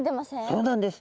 そうなんです。